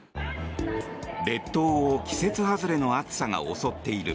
列島を季節外れの暑さが襲っている。